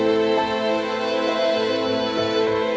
sip banget bu